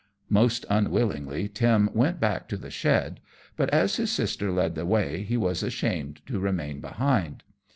Most unwillingly Tim went back to the shed; but as his sister led the way he was ashamed to remain behind.